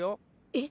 えっ！？